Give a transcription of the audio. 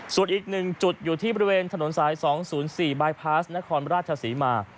ส่วนอีก๑จุดอยู่ที่บริเวณถนนสาย๒๐๔บายพาสนครราชศรีมา